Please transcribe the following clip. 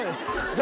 誰？